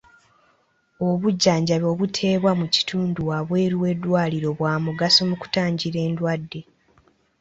Obujjanjabi obuteebwa mu kitundu waabweru w'eddwaliro bwa mugaso mu kutangira endwadde.